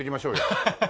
ハハハハ。